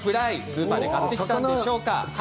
スーパーで買ったんでしょうか。